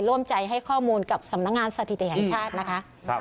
ร่วมใจให้ข้อมูลกับสำนักงานสถิติแห่งชาตินะคะ